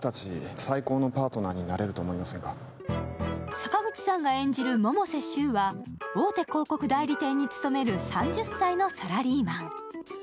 坂口さんが演じる百瀬柊は大手広告代理店に勤める３０歳のサラリーマン。